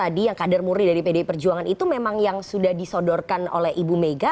jadi yang kader muri dari pd pejuangan itu memang yang sudah disodorkan oleh ibu mega